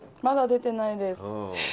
まだ出てないです。